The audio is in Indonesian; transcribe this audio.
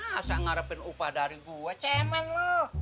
masa ngarepin upah dari gue cemen loh